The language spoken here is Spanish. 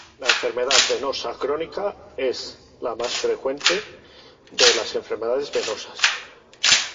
La enfermedad venosa crónica es la más frecuente de las enfermedades venosas.